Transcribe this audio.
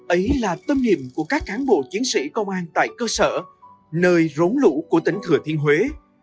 ấy là tâm niệm của các cán bộ chiến sĩ công an tại cơ sở nơi rốn lũ của tỉnh thừa thiên huế